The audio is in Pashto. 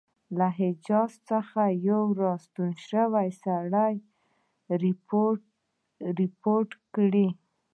له حجاز څخه یو را ستون شوي سړي رپوټ راکړی.